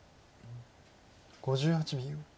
５８秒。